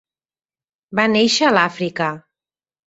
Va néixer a l'Àfrica.